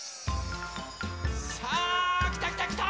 さあきたきたきた！